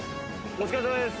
お疲れさまです。